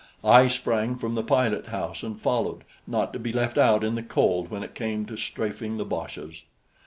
I sprang from the pilot house and followed, not to be left out in the cold when it came to strafing the boches.